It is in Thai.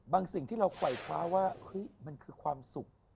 บางสิ่งที่เราไขว้คว้าว่ามันคือความสุข